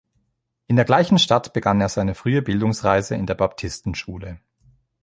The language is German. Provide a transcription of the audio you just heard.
In der gleichen Stadt begann er seine frühe Bildungsreise in der Baptisten-Schule.